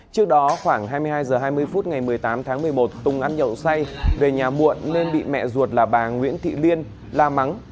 trước đó khoảng hai mươi hai h hai mươi phút ngày một mươi tám tháng một mươi một tùng ăn nhậu say về nhà muộn nên bị mẹ ruột là bà nguyễn thị liên la mắng